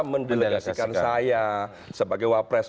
mendilegaskan saya sebagai wapres